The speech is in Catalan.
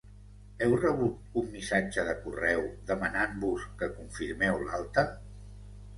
Heu rebut un missatge de correu demanant-vos que confirmeu l'alta?